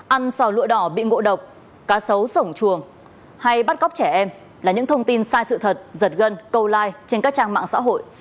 ăn sò lụa đỏ bị ngộ độc cá sấu sổng chuồng hay bắt cóc trẻ em là những thông tin sai sự thật giật gân câu like trên các trang mạng xã hội